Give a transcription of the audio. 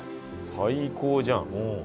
最高じゃん。